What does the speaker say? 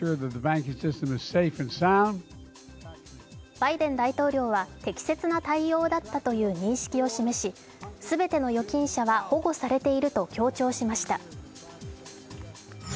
バイデン大統領は適切な対応だったという認識を示し全ての預金者は保護されていると強調しました。